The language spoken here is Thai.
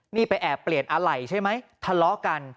นี่ไปแอบเปลี่ยนอะไรใช่ไหมทะเลาะกัน